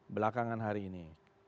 belakangan hari ini